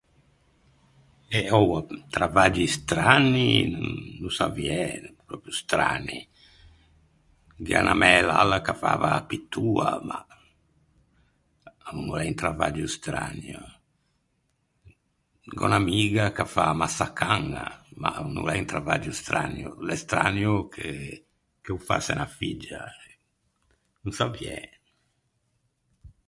Eh oua, travaggi stranni, no saviæ, pròpio stranni. Gh’ea unna mæ lalla ch’a fava a pittoa, ma, a no l’é un travaggio stranio. Gh’ò unn’amiga ch’a fa a massacaña, ma o no l’é un travaggio strannio, l’é strannio che o ô fasse unna figgia. No saviæ.